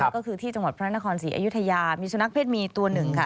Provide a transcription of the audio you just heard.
ก็คือที่จังหวัดพระนครศรีอยุธยามีสุนัขเศษมีตัวหนึ่งค่ะ